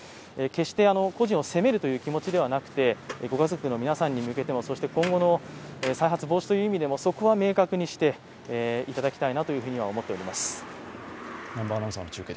決して個人を責めるという気持ちではなくて、ご家族の皆さんに向けてもそして今後の再発防止という意味でも、そこは明確にしていただきたいなと思っています。